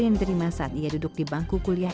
yang diterima saat ia duduk di bangku kuliah